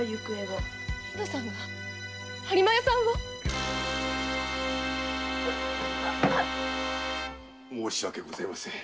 猪之さんが播磨屋さんを⁉申し訳ございません。